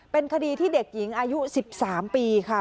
เป็นคดีที่เด็กหญิงอายุ๑๓ปีค่ะ